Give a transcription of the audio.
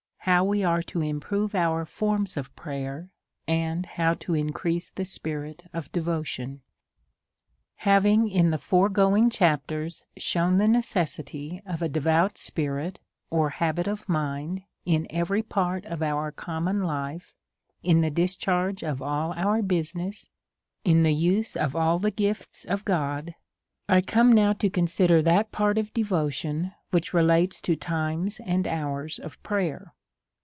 How ice are to improve our Forms of Prayer, and how to increase the Spirit of Devotion. HAVING, in the foregoing chapters, shewn the necessity of a devout spirit, or habit of mind, in every part of our common life, in the discharge of all our business, in the use of all the gifts of God, I come now to consider that part of devotion which relates to times and hours of prayer.